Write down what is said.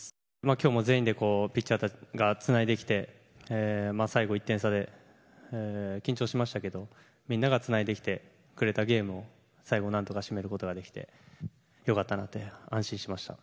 今日も全員でピッチャーがつないできて最後１点差で緊張しましたけどみんながつないできてくれたゲームを最後何とか締めることができて良かったなって安心しました。